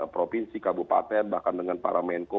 provinsi kabupaten bahkan dengan para menko